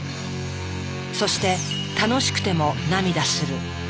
そして楽しくても涙する。